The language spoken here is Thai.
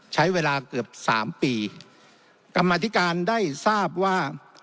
ใช้เวลาเกือบสามปีกรรมธิการได้ทราบว่า